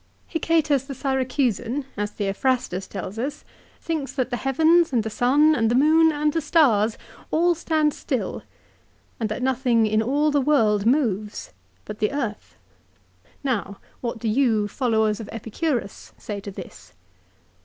"Hicetas the Syracusan, as Theophrastus tells us, thinks that the heavens and the sun and the moon and the stars all stand still, and that nothing in all the world moves but the earth. Now ; what do you, followers of Epicurus say to this?"